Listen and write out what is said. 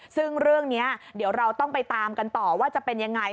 ซึ่งเรื่องนี้เดี๋ยวเราต้องไปตามกันต่อว่าจะเป็นยังไง